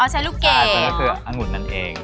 ใช่มันก็คืออังุษณ์นั้นเอง